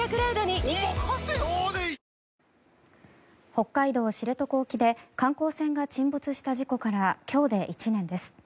北海道・知床沖で観光船が沈没した事故から今日で１年です。